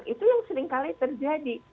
itu yang sering kali terjadi